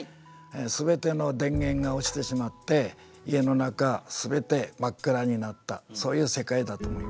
全ての電源が落ちてしまって家の中全て真っ暗になったそういう世界だと思います。